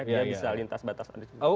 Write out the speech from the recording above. dia bisa lintas batas